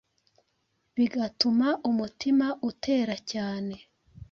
bigatuma umutima utera cyane